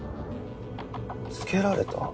つけられた？